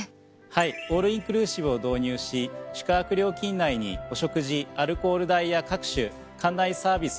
オールインクルーシブを導入し宿泊料金内にお食事アルコール代や各種館内サービス